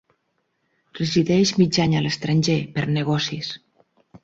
Resideix mig any a l'estranger, per negocis.